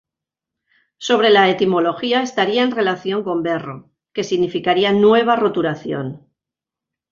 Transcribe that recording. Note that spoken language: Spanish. Sobre la etimología estaría en relación con Berro, que significaría nueva roturación.